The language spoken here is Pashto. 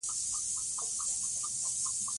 ژورې سرچینې د افغانستان د سیلګرۍ برخه ده.